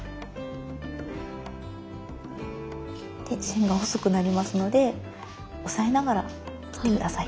で線が細くなりますので押さえながら切って下さい。